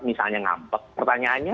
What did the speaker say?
misalnya ngambek pertanyaannya